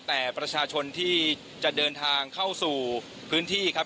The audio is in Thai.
แต่ประชาชนที่จะเดินทางเข้าสู่พื้นที่ครับ